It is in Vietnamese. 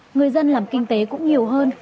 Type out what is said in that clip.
người dân làm kinh tế cũng nhiều hơn